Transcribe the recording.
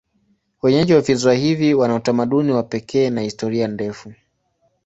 Wenyeji wa visiwa hivi wana utamaduni wa pekee na historia ndefu.